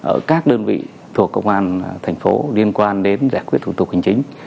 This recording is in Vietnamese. ở các đơn vị thuộc công an thành phố liên quan đến giải quyết thủ tục hành chính